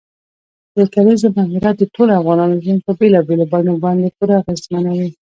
د کلیزو منظره د ټولو افغانانو ژوند په بېلابېلو بڼو باندې پوره اغېزمنوي.